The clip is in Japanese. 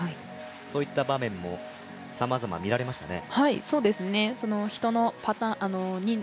そういった場面も、さまざま見られましたね。